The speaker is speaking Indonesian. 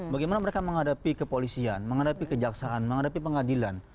bagaimana mereka menghadapi kepolisian menghadapi kejaksaan menghadapi pengadilan